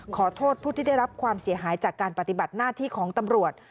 ขอโทษผู้ที่ได้รับความเสียหายจากการปฏิบัติหน้าที่ของตำรวจ